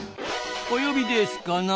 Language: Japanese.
お呼びですかな？